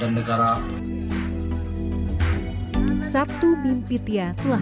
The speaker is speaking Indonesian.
dan kesehatan nya tetap terjaga